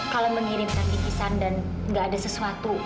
kalau mengirimkan bingkisan dan enggak ada sesuatu